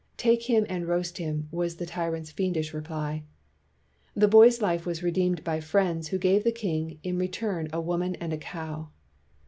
"Take him and roast him," was the ty rant's fiendish reply. The boy's life was redeemed by friends who gave the king in return a woman and a cow.